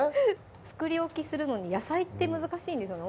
作り置きするのに野菜って難しいんですよね